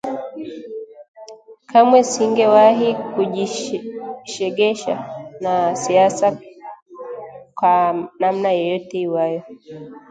Kamwe singewahi kujishegesha na siasa kwa namna yoyote iwayo